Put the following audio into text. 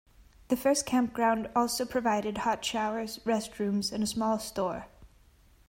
This first campground also provided hot showers, restrooms, and a small store.